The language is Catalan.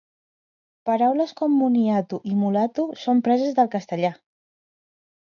Paraules com "moniato" i "mulato", són preses del castellà.